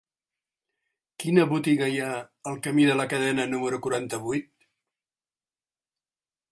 Quina botiga hi ha al camí de la Cadena número quaranta-vuit?